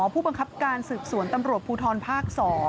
ผู้บังคับการสืบสวนตำรวจภูทรภาค๒